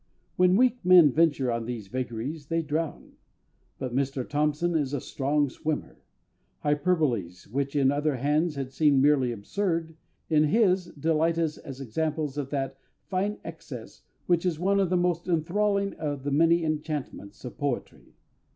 When weak men venture on these vagaries they drown; but Mr THOMPSON is a strong swimmer. Hyperboles, which in other hands had seemed merely absurd, in his delight us as examples of that "fine excess" which is one of the most enthralling of the many enchantments of poetry....